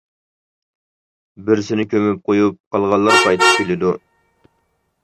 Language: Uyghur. بىرسىنى كۆمۈپ قويۇپ قالغانلار قايتىپ كېلىدۇ.